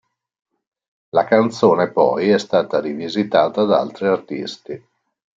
La canzone poi è stata rivisitata da altri artisti.